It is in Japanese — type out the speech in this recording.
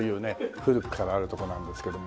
古くからあるとこなんですけども。